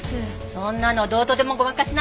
そんなのどうとでもごまかしなさい。